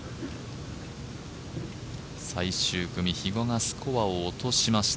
最終組、比嘉がスコアを落としました。